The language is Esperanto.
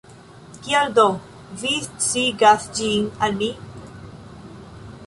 Kial, do, vi sciigas ĝin al mi?